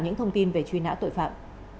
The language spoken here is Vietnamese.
những thông tin về truy nã tội phạm